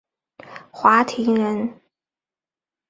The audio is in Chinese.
华亭人。